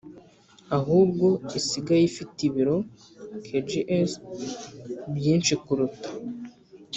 ahubwo isigaye ifite ibiro(kgs) byinshi kuruta